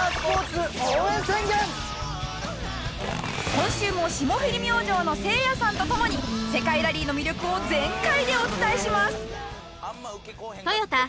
今週も霜降り明星のせいやさんと共に世界ラリーの魅力を全開でお伝えします。